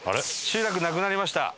集落なくなりました。